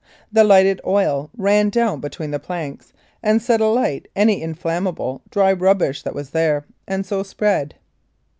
The lighted oil ran down between the planks and set alight any inflammable dry rubbish that was there, and so spread.